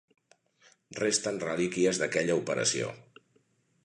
Resten relíquies d'aquella operació.